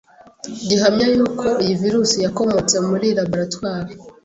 Gihamya yuko iyi virusi yakomotse muri laboratoire